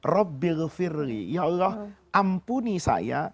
ya allah ampuni saya